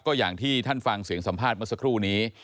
ก็อย่างที่ท่านฟังเสียงสัมภาษณ์เมื่อสักครู่นี้